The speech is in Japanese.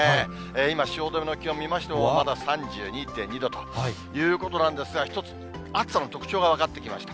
今、汐留の気温見ましても、まだ３２．２度ということなんですが、１つ暑さの特徴が分かってきました。